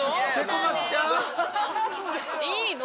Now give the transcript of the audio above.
いいの？